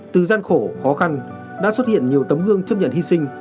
từ gian khổ khó khăn đã xuất hiện nhiều tấm gương chấp nhận hy sinh